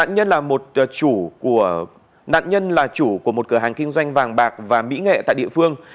nạn nhân là chủ của một cửa hàng kinh doanh vàng bạc và mỹ nghệ tại địa phương